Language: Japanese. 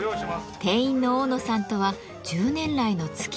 店員の大野さんとは１０年来のつきあい。